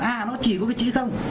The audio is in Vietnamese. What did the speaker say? à nó chỉ có cái chỉ không